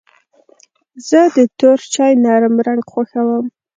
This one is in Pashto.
زه د تور چای نرم رنګ خوښوم.